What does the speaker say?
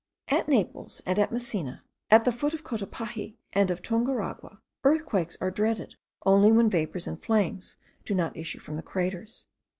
At Naples and at Messina, at the foot of Cotopaxi and of Tunguragua, earthquakes are dreaded only when vapours and flames do not issue from the craters.